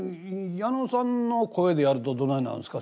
矢野さんの声でやるとどないなるんすか？